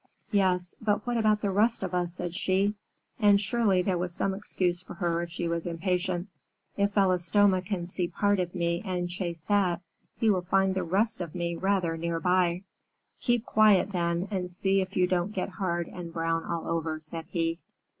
"Yes, but what about the rest of us?" said she, and surely there was some excuse for her if she was impatient. "If Belostoma can see part of me and chase that, he will find the rest of me rather near by." "Keep quiet then, and see if you don't get hard and brown all over," said he.